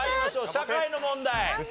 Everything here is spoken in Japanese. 社会の問題。